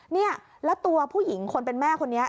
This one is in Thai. เนี่ยแล้วตัวผู้หญิงคนเป็นแม่คนนี้